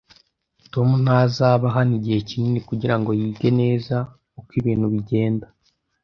Tom ntazaba hano igihe kinini kugirango yige neza uko ibintu bigenda